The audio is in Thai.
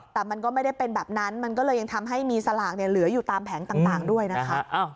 แต่มันก็ไม่ได้เป็นแบบนั้นมันก็เลยยังทำให้มีสลากเหลืออยู่ตามแผงต่างด้วยนะคะ